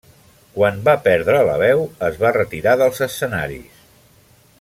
Quan va perdre la veu es va retirar dels escenaris.